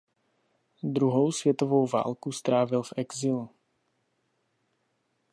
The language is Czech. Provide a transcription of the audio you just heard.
Druhou světovou válku strávil v exilu.